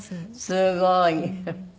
すごい！